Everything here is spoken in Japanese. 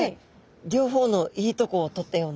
両方のいいとこを取ったような。